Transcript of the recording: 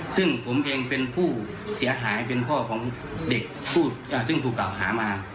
ซึ่งผมเองเป็นผู้เสียหายเป็นพ่อของเด็กซึ่งถูกกล่าวหามา